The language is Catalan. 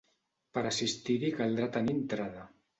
Per assistir-hi caldrà tenir entrada.